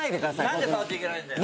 なんで触っちゃいけないんだよ？